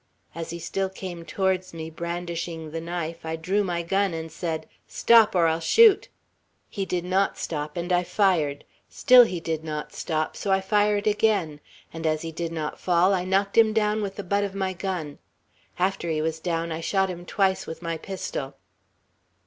As he still came towards me, brandishing the knife, I drew my gun, and said, 'Stop, or I'll shoot!' He did not stop, and I fired; still he did not stop, so I fired again; and as he did not fall, I knocked him down with the butt of my gun. After he was down, I shot him twice with my pistol."